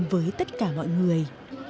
với tất cả mọi người